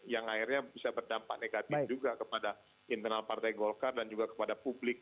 yang akhirnya bisa berdampak negatif juga kepada internal partai golkar dan juga kepada publik